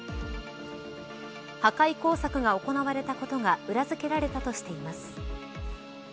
破壊工作が行われたことが裏付けられたとしています。